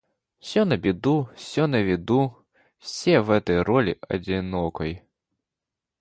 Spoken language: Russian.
Все на беду, все на виду, Все в этой роли одинокой.